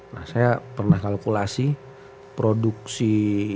nah saya pernah kalkulasi